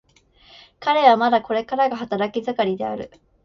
彼はまだこれからが働き盛りである。